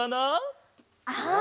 ああ！